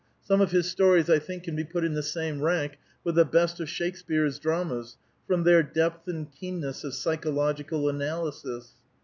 Some of his stories I think can be put in the same rank with the best of Shakespeare's dramas, from their depth and keenness of psychological analysis."